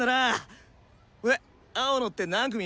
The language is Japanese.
えっ青野って何組？